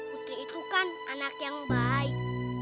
putri itu kan anak yang baik